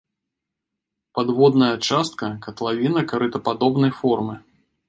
Падводная частка катлавіна карытападобнай формы.